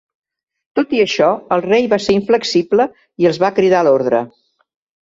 Tot i això, el rei va ser inflexible i els va cridar a l'ordre.